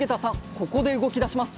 ここで動きだします。